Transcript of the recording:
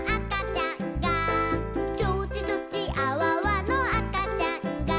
「ちょちちょちあわわのあかちゃんが」